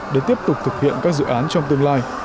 để tiếp tục thực hiện các dự án trong tương lai